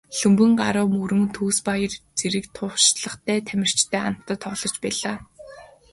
Лхүмбэнгарав, Мөрөн, Төгсбаяр зэрэг туршлагатай тамирчидтай хамтдаа тоглож байлаа.